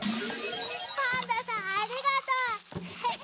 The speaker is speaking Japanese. パンダさんありがとう。